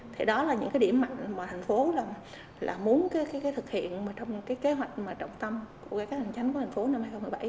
thì đó là những điểm mạnh mà thành phố muốn thực hiện trong kế hoạch trọng tâm của các hành chánh của thành phố năm hai nghìn một mươi bảy